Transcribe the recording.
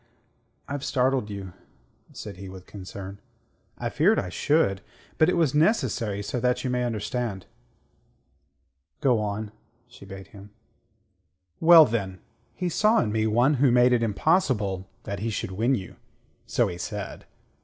I've startled you," said he, with concern. "I feared I should. But it was necessary so that you may understand." "Go on," she bade him. "Well, then: he saw in me one who made it impossible that he should win you so he said.